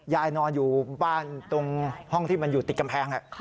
ยายนอนอยู่บ้านตรงห้องที่มันอยู่ติดกำแพง